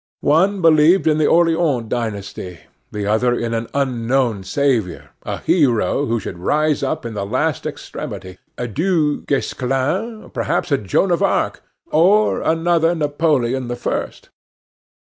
One believed in the Orleans dynasty, the other in an unknown savior a hero who should rise up in the last extremity: a Du Guesclin, perhaps a Joan of Arc? or another Napoleon the First?